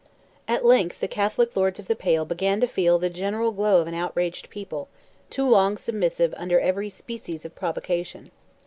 At length the Catholic Lords of the Pale began to feel the general glow of an outraged people, too long submissive under every species of provocation.